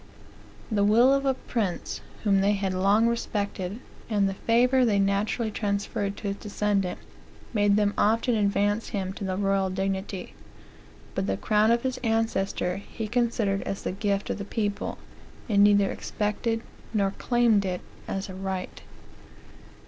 The will of a prince whom they had long respected, and the favor they naturally transferred to his descendant, made them often advance him to the royal dignity; but the crown of his ancestor he cnsidered as the gift of the people, and neither expected nor claimed it as a right."